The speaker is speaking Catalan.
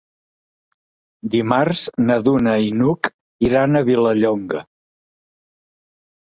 Dimarts na Duna i n'Hug iran a Vilallonga.